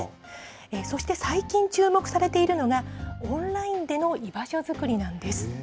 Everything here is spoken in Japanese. そして、最近注目されているのが、オンラインでの居場所作りなんです。